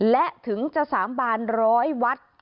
และถึงจะสาบานร้อยวัด